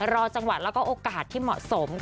รอจังหวัดแล้วก็โอกาสที่เหมาะสมค่ะ